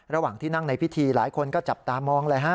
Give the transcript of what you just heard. ระหว่างที่นั่งในพิธีหลายคนก็จับตามองเลยฮะ